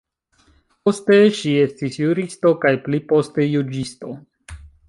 Poste ŝi estis juristo kaj pliposte juĝisto.